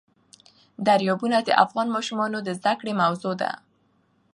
دریابونه د افغان ماشومانو د زده کړې موضوع ده.